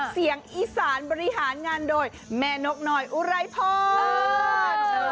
เสียงอีสานบริหารงานโดยแม่นกน้อยอุไรพร